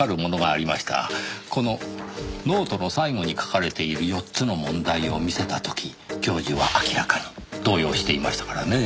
このノートの最後に書かれている４つの問題を見せた時教授は明らかに動揺していましたからねぇ。